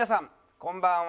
こんばんは！